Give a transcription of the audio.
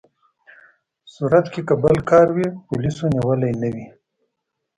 صورت کې که بل کار وي، پولیسو نیولي نه وي.